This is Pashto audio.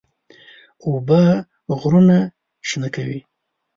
اوبه غرونه شنه کوي.